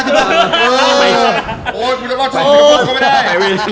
กูจะรอดช่องสิงคโปร์ก็ไม่ได้